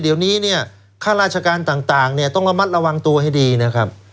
เดี๋ยวนี้ข้าราชการต่างต้องมามัดระวังตัวให้ดีนะครับ